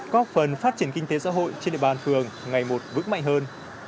có phần phát triển kinh tế xã hội trên địa bàn phường ngày một vững mạnh hơn